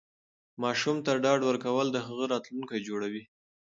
ماشوم ته ډاډ ورکول د هغه راتلونکی جوړوي.